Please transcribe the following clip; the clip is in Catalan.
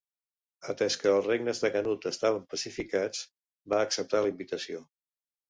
Atès que els regnes de Canut estaven pacificats, va acceptar la invitació.